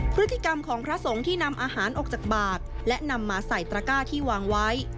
พฤติกรรมของพระสงฆ์ที่นำอาหารออกจากบาทและนำมาใส่ตระก้าที่วางไว้